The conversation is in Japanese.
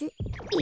え？